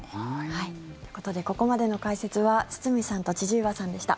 ということでここまでの解説は堤さんと千々岩さんでした。